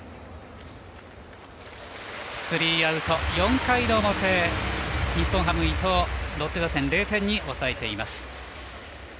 スリーアウト４回の表日本ハム伊藤ロッテ打線を０点に抑えました。